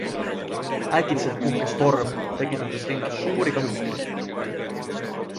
Äkitselt puhkes torm, tekitades linnas suuri kahjustusi.